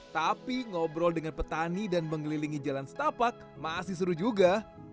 tapi ngobrol dengan petani dan mengelilingi jalan setapak masih seru juga